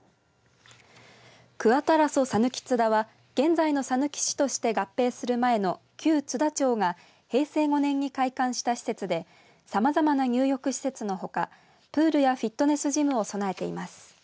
クアタラソさぬき津田は現在のさぬき市として合併する前の旧津田町が平成５年に開館した施設でさまざまな入浴施設のほかプールやフィットネスジムを備えています。